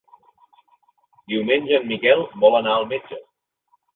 Diumenge en Miquel vol anar al metge.